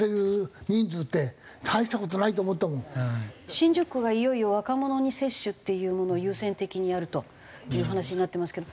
新宿区がいよいよ若者に接種っていうものを優先的にやるという話になってますけど。